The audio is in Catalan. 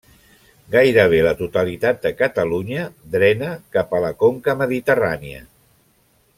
Gairebé la totalitat de Catalunya drena capa a la conca mediterrània.